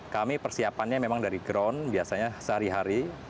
kami persiapannya memang dari ground biasanya sehari hari